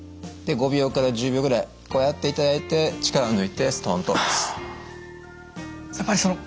で５秒から１０秒ぐらいこうやっていただいて力を抜いてストンと下ろす。